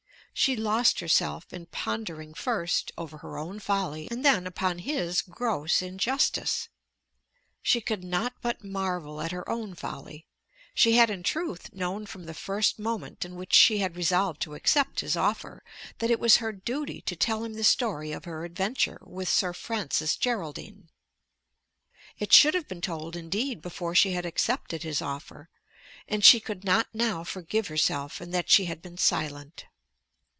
She lost herself in pondering first over her own folly and then upon his gross injustice. She could not but marvel at her own folly. She had in truth known from the first moment in which she had resolved to accept his offer, that it was her duty to tell him the story of her adventure with Sir Francis Geraldine. It should have been told indeed before she had accepted his offer, and she could not now forgive herself in that she had been silent.